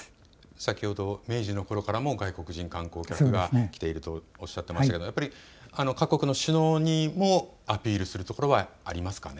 先ほど明治のころからも外国人観光客が来ているとおっしゃっていましたが各国の首脳にもアピールするところはありますかね。